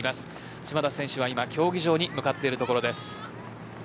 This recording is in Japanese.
嶋田選手は今、競技場に向かっているところです。